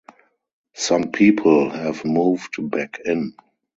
Some people have moved back in.